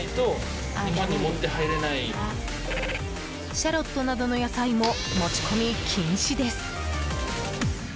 シャロットなどの野菜も持ち込み禁止です。